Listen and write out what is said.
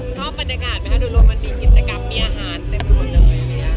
ชอบบรรยากาศไหมคะโดยรวมมันมีกิจกรรมมีอาหารเต็มหมดเลย